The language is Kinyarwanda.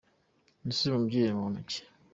Ese uyu mubyeyi ni muntu ki?